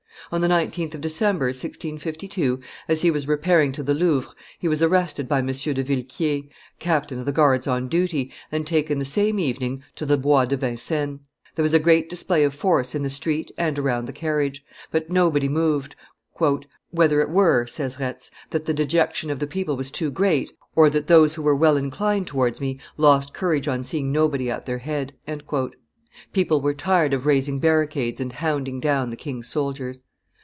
On the 19th of December, 1652, as he was repairing to the Louvre, he was arrested by M. de Villequier, captain of the guards on duty, and taken the same evening to the Bois de Vincennes; there was a great display of force in the street and around the carriage; but nobody moved, whether it were," says Retz, "that the dejection of the people was too great, or that those who were well inclined towards me lost courage on seeing nobody at their head." People were tired of raising barricades and hounding down the king's soldiers.